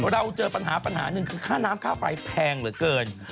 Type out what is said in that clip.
เราเจอปัญหาปัญหาหนึ่งคือค่าน้ำค่าไฟแพงเหลือเกิน